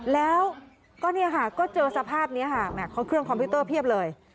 แล้วก็เจอสภาพนี้ค่ะเครื่องคอมพิวเตอร์เพียบเลย